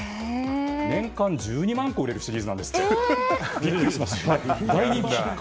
年間１２万個売れるシリーズなんだそうです。